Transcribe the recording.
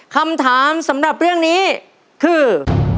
คำถามสำหรับเรื่องนี้คือ